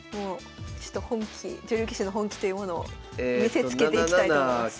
ちょっと本気女流棋士の本気というものを見せつけていきたいと思います。